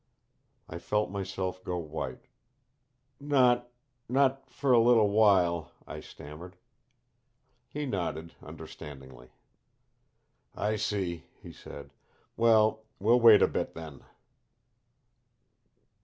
I felt myself go white. "Not not for a little while," I stammered. He nodded, understandingly. "I see," he said. "Well, we'll wait a bit, then."